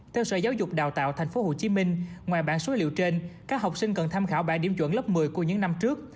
theo sở giáo dục đào tạo tp hcm ngoài bản số liệu trên các học sinh cần tham khảo ba điểm chuẩn lớp một mươi của những năm trước